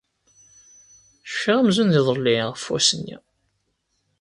Cfiɣ amzun d iḍelli ɣef wass-nni.